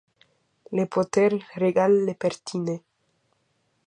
Le poter regal le pertine!